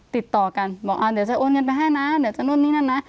ติดต่อกันบอกเดี๋ยวจะโอนเงินไปให้นะเดี๋ยวจะนู่นนี่นั่นนะ